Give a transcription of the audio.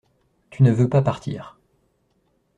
Tu ne veux pas partir.